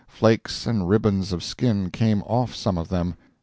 Flakes and ribbons of skin came off some of them.